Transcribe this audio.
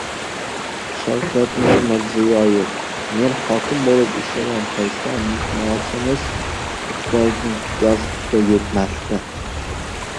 Shavkat Mirziyoev: "Men hokim bo‘lib ishlagan paytda maoshimiz bitta galstukka yetmasdi"